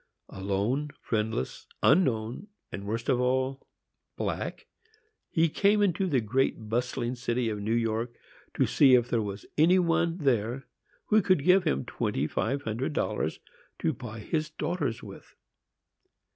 Alone, friendless, unknown, and, worst of all, black, he came into the great bustling city of New York, to see if there was any one there who could give him twenty five hundred dollars to buy his daughters with.